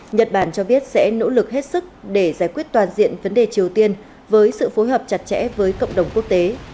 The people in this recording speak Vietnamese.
nhật bản cho biết sẽ nỗ lực hết sức để giải quyết toàn diện vấn đề triều tiên với sự phối hợp chặt chẽ với cộng đồng quốc tế